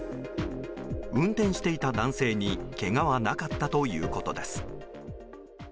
運転していた男性にけがはなかったということです。